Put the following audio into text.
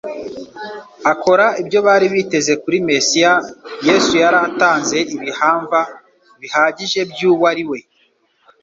akora ibyo bari biteze kuri Mesiya, Yesu yari atanze ibihamva bihagije by'uwo ari we.